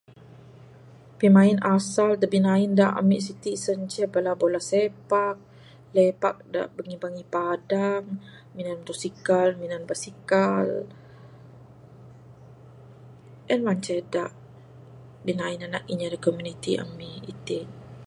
Pimain asal da binain da ami siti sien ceh bala bola sepak, lepak da bangih-bangih padang, minan mutosikal, minan basikal. En mah ceh da binain bala anak inya da komuniti ami itin.